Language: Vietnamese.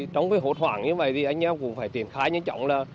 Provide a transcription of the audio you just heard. trong hỗn hoảng như vậy anh em cũng phải tiến khai nhanh chóng là